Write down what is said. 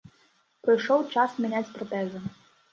Прыйшоў час мяняць пратэзы.